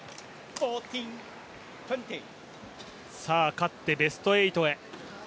勝ってベスト８へ。